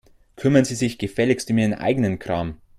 Kümmern Sie sich gefälligst um Ihren eigenen Kram.